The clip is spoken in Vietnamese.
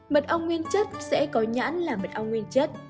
mật ong nguyên chất sẽ có nhãn là mật ong nguyên chất